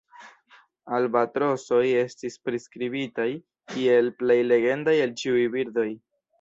Albatrosoj estis priskribitaj kiel "plej legendaj el ĉiuj birdoj".